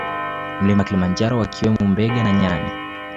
Mlima Kilimanjaro wakiwemo mbega na nyani